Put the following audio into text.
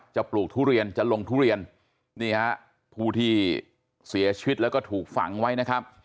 ปลูกทุเรียนจะลงทุเรียนนี่ฮะผู้ที่เสียชีวิตแล้วก็ถูกฝังไว้นะครับ